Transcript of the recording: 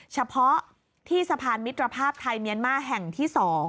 เฉพาะที่สะพานมิตรภาพไทยเมียนมาร์แห่งที่๒